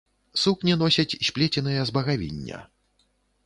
Сукні носяць сплеценыя з багавіння.